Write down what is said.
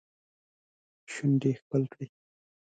شونډې ښکل کړي